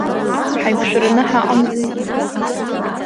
Ҳаиқәшәараны ҳаҟамзи.